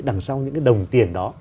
đằng sau những cái đồng tiền đó